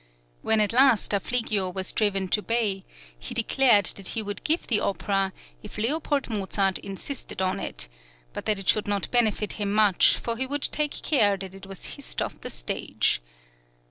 When at last Affligio was driven to bay he declared {TREACHERY OF AFFLIGIO FAILURE.} (73) that he would give the opera if L. Mozart insisted on it, but that it should not benefit him much, for he would take care that it was hissed off the stage.